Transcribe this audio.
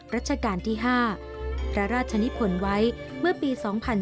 รัชกาลที่๕พระราชนิพลไว้เมื่อปี๒๕๔